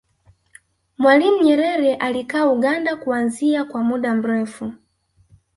mwalimu nyerere alikaa uganda kuanzia kwa muda mrefu